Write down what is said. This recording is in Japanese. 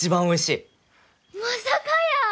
まさかやー。